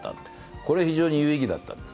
これ非常に有意義だったんです。